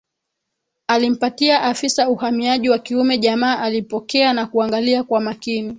Alimpatia afisa uhamiaji wa kiume jamaa alipokea na kuangalia kwa makini